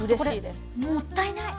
これもったいない。